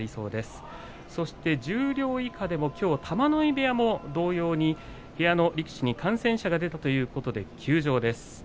十両以下でもきょうも玉ノ井部屋でも同様に部屋の力士に感染者が出たということで休場です。